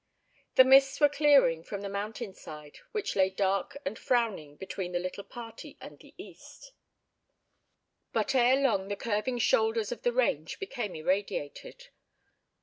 The mists were clearing from the mountain side, which lay dark and frowning between the little party and the East, but ere long the curving shoulders of the range became irradiated.